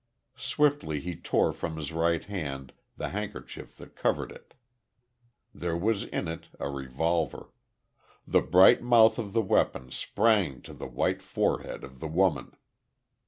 Swiftly, he tore from his right hand, the handkerchief that covered it. There was in it a revolver. The bright mouth of the weapon sprang to the white forehead of The Woman.